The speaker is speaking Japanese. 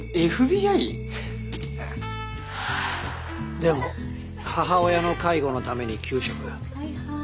でも母親の介護のために休職。